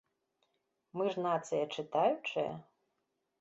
Мы ж нацыя чытаючая?